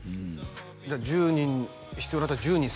じゃあ１０人必要だったら１０人座ってる？